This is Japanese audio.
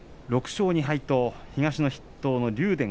６勝２敗と東の筆頭の竜電